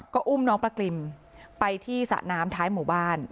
ก็อุ้มน้องประกริมไปที่สระน้ำท้ายหมู่บ้าน